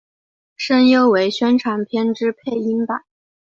声优为宣传片之配音版。